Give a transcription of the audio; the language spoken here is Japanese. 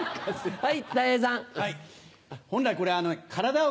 はい！